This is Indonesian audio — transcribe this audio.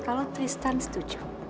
kalau tristan setuju